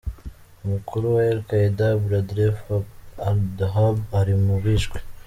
Umukuru wa al-Qaeda, Abdulraoof al-Dhahab, ari mu bishwe.